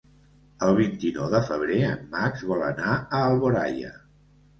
El vint-i-nou de febrer en Max vol anar a Alboraia.